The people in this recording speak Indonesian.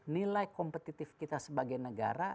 nilai kompetitif kita sebagai negara